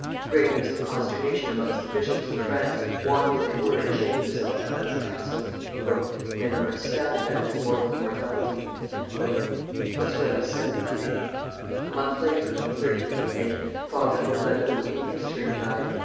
Great was the consternation amongst the bishops of France, wont as they were to shape themselves by his counsels. "Men were astounded at this mortal's mortality." Bossuet was seventy three. A month later, on the 13th of May, Father Bourdaloue in his turn died.